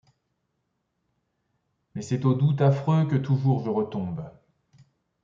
Mais c’est au-doute affreux que toujours je retombe ;